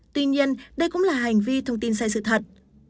tuy nhiên đây cũng là hành vi thông tin sai sự thật